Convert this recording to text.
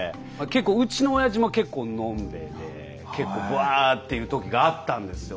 結構うちのおやじも結構飲んべえで結構ブワーっていうときがあったんですよ。